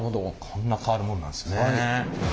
こんな変わるもんなんですね。